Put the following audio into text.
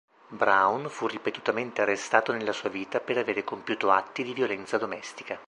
Brown fu ripetutamente arrestato nella sua vita per aver compiuto atti di violenza domestica.